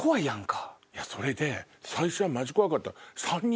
それで最初はマジ怖かった。